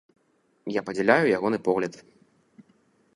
Я падзяляю ягоны погляд.